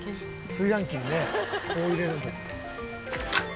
「炊飯器にねこう入れるんかと」